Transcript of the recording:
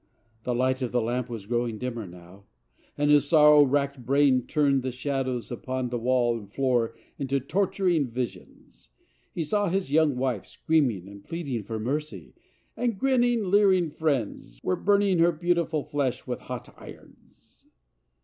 The light of the lamp was growing dimmer now, and his sorrow racked brain turned the shadows upon the wall and floor into torturing visions. He saw his joung wife screaming and pleading for mercy, and grinning, leering fiends were burning her beauti¬ ful flesh with hot irons.